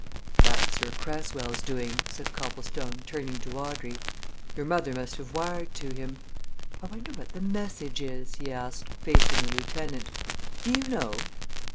"That's Sir Cresswell's doing," said Copplestone, turning to Audrey. "Your mother must have wired to him. I wonder what the message is?" he asked, facing the lieutenant. "Do you know?"